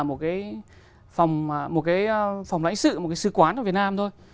ở một cái phòng lãnh sự một cái sư quán ở việt nam thôi